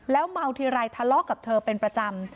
แล้วเมาทีไรถอดกับเธอเป็นประจำ